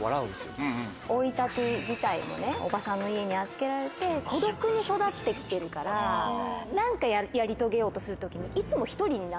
生い立ち自体もね伯母さんの家に預けられて孤独に育って来てるから何かやり遂げようとする時にいつも。